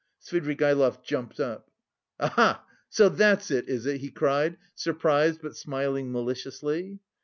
Svidrigaïlov jumped up. "Aha! So that's it, is it?" he cried, surprised but smiling maliciously.